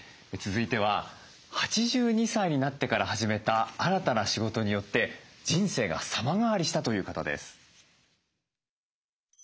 続いては８２歳になってから始めた新たな仕事によって人生が様変わりしたという方です。